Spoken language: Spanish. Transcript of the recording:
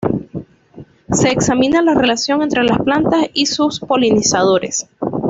Se examina la relación entre las plantas y sus polinizadores.